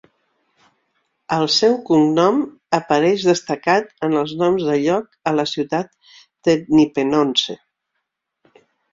El seu cognom apareix destacat en els noms de lloc a la ciutat de Nippenose.